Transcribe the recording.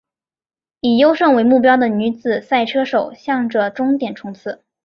以优胜为目标的女子赛车手向着终点冲刺！